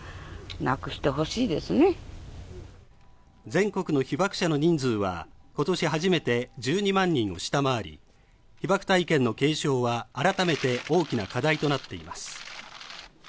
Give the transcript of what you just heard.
全国の被爆者の人数は今年初めて１２万人を下回り被爆体験の継承は改めて大きな課題となっています。